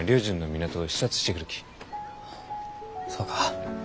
あそうか。